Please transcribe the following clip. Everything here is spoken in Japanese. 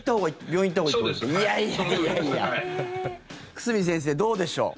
久住先生、どうでしょう？